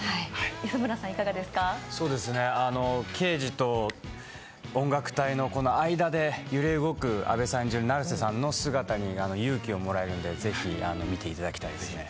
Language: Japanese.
刑事と音楽隊の間で揺れ動く阿部さん演じる成瀬の姿に勇気をもらえるんで、ぜひ見ていただきたいですね。